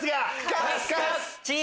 カスカス。